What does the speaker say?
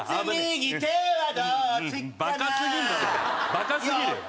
バカすぎるだろ！